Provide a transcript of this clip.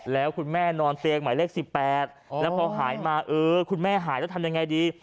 แล้วคุณแม่นอนเตียงหมายเลข๑๘แล้วพอหายมาเออคุณแม่หายแล้วทำยังไงดี